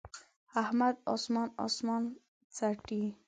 احمد اسمان اسمان څټي.